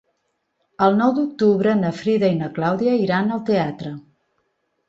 El nou d'octubre na Frida i na Clàudia iran al teatre.